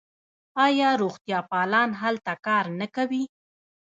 آیا روغتیاپالان هلته کار نه کوي؟